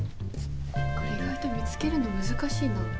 意外と見つけるの難しいな。